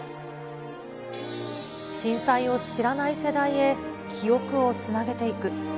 震災を知らない世代へ記憶をつなげていく。